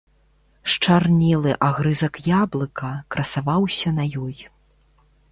Счарнелы агрызак яблыка красаваўся на ёй.